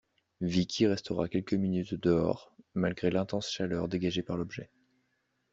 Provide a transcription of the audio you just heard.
Vickie restera quelques minutes dehors, malgré l'intense chaleur dégagée par l'objet.